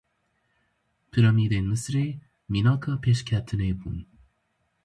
Piramîdên Misrê mînaka pêşketinê bûn.